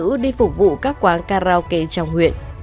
hòa cũng đi phục vụ các quán karaoke trong huyện